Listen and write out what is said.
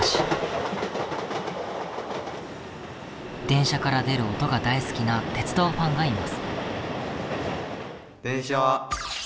電車から出る音が大好きな鉄道ファンがいます。